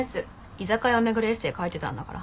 居酒屋を巡るエッセイ書いてたんだから。